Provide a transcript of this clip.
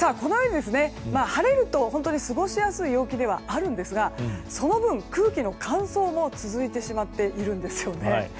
晴れると本当に過ごしやすい陽気ですがその分、空気の乾燥も続いてしまっているんですよね。